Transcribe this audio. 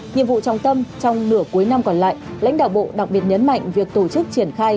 nhiệm vụ trọng tâm trong nửa cuối năm còn lại lãnh đạo bộ đặc biệt nhấn mạnh việc tổ chức triển khai